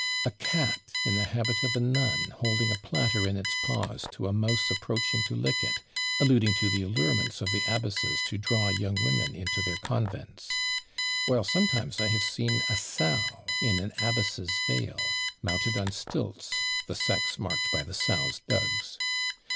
A cat in the habit of a nun, holding a platter in its paws to a mouse approaching to lick it; alluding to the allurements of the abbesses to draw young women into their convents; while sometimes I have seen a sow in an abbess's veil, mounted on stilts: the sex marked by the sow's dugs.